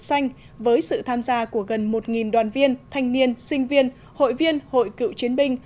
xanh với sự tham gia của gần một đoàn viên thanh niên sinh viên hội viên hội cựu chiến binh